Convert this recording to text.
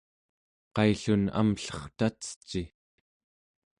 qaillun amllertaceci?